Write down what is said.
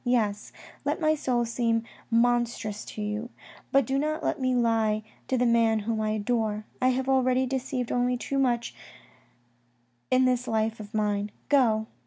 Yes, let my soul seem monstrous to you, but do not let me lie to the man whom I adore. I have already deceived only too much in this life of mine. Go